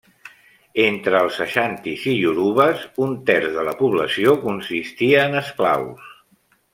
Entre els aixantis i iorubes un terç de la població consistia en esclaus.